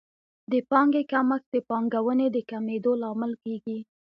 د پانګې کمښت د پانګونې د کمېدو لامل کیږي.